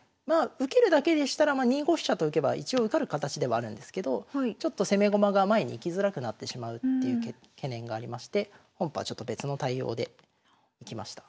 受けるだけでしたらまあ２五飛車と浮けば一応受かる形ではあるんですけどちょっと攻め駒が前に行きづらくなってしまうっていう懸念がありまして本譜はちょっと別の対応でいきました。